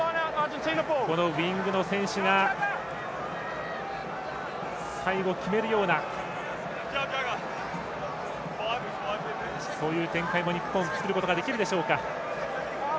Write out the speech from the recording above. ウイングの選手が最後、決めるようなそういう展開も日本作ることができるでしょうか。